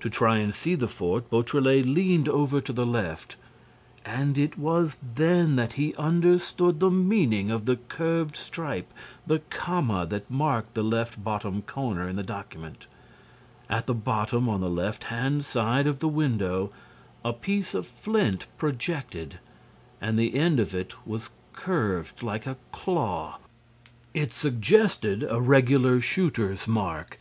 To try and see the fort, Beautrelet leaned over to the left and it was then that he understood the meaning of the curved stripe, the comma that marked the left bottom corner in the document: at the bottom on the left hand side of the window, a piece of flint projected and the end of it was curved like a claw. It suggested a regular shooter's mark.